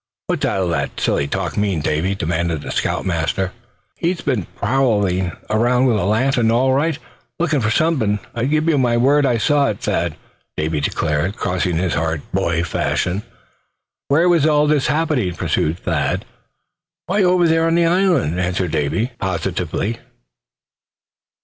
"What's all that silly talk mean, Davy?" demanded the scout master. "Well, he's been prowling around with a lantern, all right, lookin' for something; I give you my word I saw it, Thad," Davy declared, crossing his heart, boy fashion. "Where was all this happening?" pursued Thad. "Why, over there on the island!" answered Davy, positively.